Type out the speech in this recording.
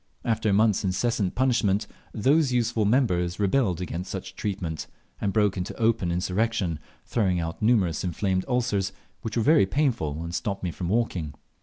After a month's incessant punishment, those useful members rebelled against such treatment and broke into open insurrection, throwing out numerous inflamed ulcers, which were very painful, and stopped me from walking.